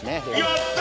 やった！